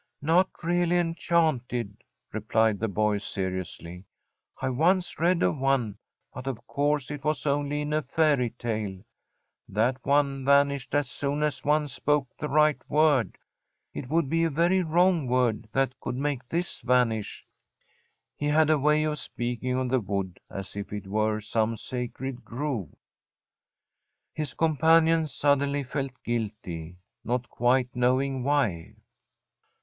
'Not really enchanted,' replied the boy seriously. 'I once read of one, but of course it was only in a fairy tale. That one vanished as soon as one spoke the right word. It would be a very wrong word that could make this vanish.' He had a way of speaking of the wood as if it were some sacred grove. His companion suddenly felt guilty, not quite knowing why.